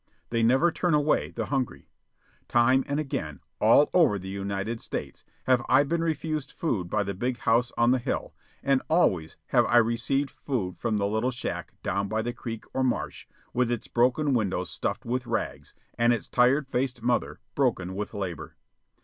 They never turn away the hungry. Time and again, all over the United States, have I been refused food by the big house on the hill; and always have I received food from the little shack down by the creek or marsh, with its broken windows stuffed with rags and its tired faced mother broken with labor.